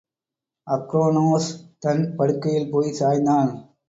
அக்ரோனோஸ் தன் படுக்கையில் போய் சாய்ந்தான்.